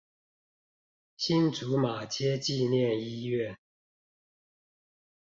新竹馬偕紀念醫院